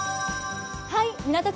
港区